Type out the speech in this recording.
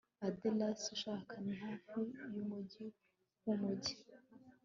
aderesi ushaka ni hafi yumujyi wumujyi